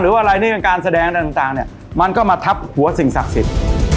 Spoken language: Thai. อะไรนี่เป็นการแสดงอะไรต่างเนี่ยมันก็มาทับหัวสิ่งศักดิ์สิทธิ์